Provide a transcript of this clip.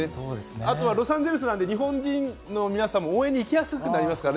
あとはロサンゼルスなんで、日本人の皆さんも応援に行きやすくなりますからね。